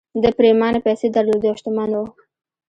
ده پرېمانه پيسې درلودې او شتمن و